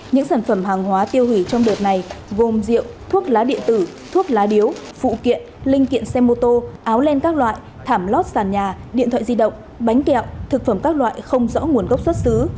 những sản phẩm hàng hóa tiêu hủy trong đợt này gồm rượu thuốc lá điện tử thuốc lá điếu phụ kiện linh kiện xe mô tô áo len các loại thảm lót sàn nhà điện thoại di động bánh kẹo thực phẩm các loại không rõ nguồn gốc xuất xứ